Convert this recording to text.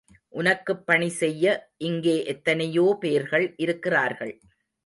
உனக்குப் பணி செய்ய இங்கே எத்தனையோ பேர்கள் இருக்கிறார்கள்.